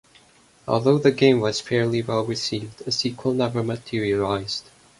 Although the game was fairly well received, a sequel never materialized.